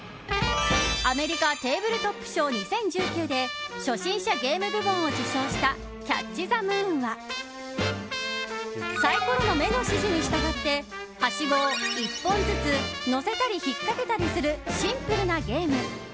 アメリカテーブルトップ賞２０１９で初心者ゲーム部門を受賞したキャッチ・ザ・ムーンはサイコロの目の指示に従ってはしごを１本ずつ載せたり引っかけたりするシンプルなゲーム。